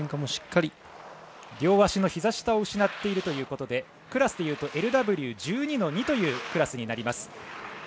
両足のひざ下を失っているということでクラスでいうとＬＷ１２‐２というクラスになります。